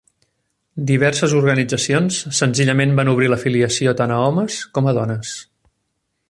Diverses organitzacions senzillament van obrir l'afiliació tant a homes com a dones.